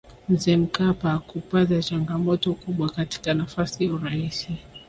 mzee mkapa hakupata changamoto kubwa katika nafasi ya uraisi